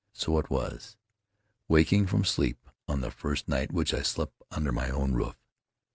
So it was, waking from sleep on the first night which I spent under my own roof.